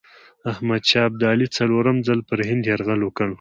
احمدشاه ابدالي څلورم ځل پر هند یرغل وکړ.